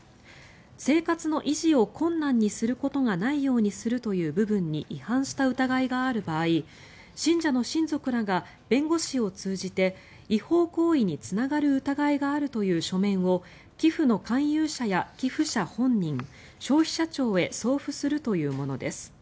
生活の維持を困難にすることがないようにするという部分に違反した疑いがある場合信者の親族らが弁護士を通じて違法行為につながる疑いがあるという書面を寄付の勧誘者や寄付者本人消費者庁へ送付するというものです。